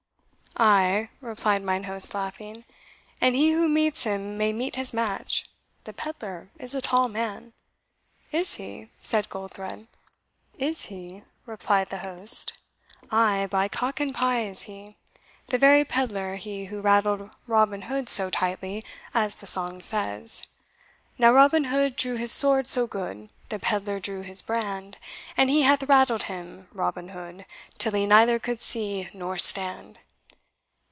"Ay," replied mine host, laughing, "and he who meets him may meet his match the pedlar is a tall man." "Is he?" said Goldthred. "Is he?" replied the host; "ay, by cock and pie is he the very pedlar he who raddled Robin Hood so tightly, as the song says, 'Now Robin Hood drew his sword so good, The pedlar drew his brand, And he hath raddled him, Robin Hood, Till he neither could see nor stand.'"